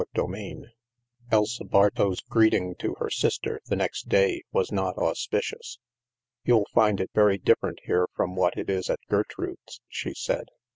CHAPTER IX Elsa Bartow's greeting to her sister, the next day, was not auspicious. " You'll find it very different here from what it is at Gertrude's," she said.